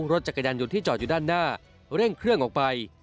รถจักรยานยนต์ที่จอดอยู่ด้านหน้าเร่งเครื่องออกไป